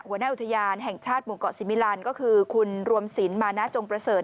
หัวหน้าอุทยานแห่งชาติหมู่เกาะสิมิลันก็คือคุณรวมสินมานะจงประเสริฐ